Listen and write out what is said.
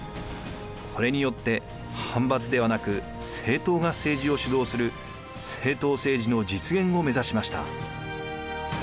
これによって藩閥ではなく政党が政治を主導する政党政治の実現を目指しました。